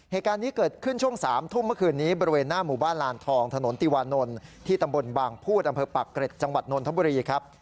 เหตุการณ์นี้เกิดขึ้นช่วง๓ทุ่มเมื่อคืนนี้บริเวณหน้าหมู่บ้านลานทองถนนติวานนท์ที่ตำบลบางพูดอำเภอปากเกร็ดจังหวัดนนทบุรีครับ